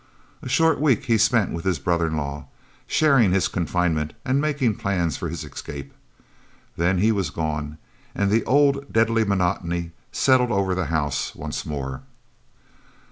A short week he spent with his brother in law, sharing his confinement and making plans for his escape. Then he was gone, and the old deadly monotony settled over the house once more.